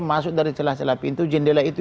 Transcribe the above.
masuk dari celah celah pintu jendela itu